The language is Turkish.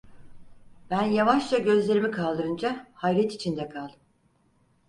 Ben yavaşça gözlerimi kaldırınca, hayret içinde kaldım.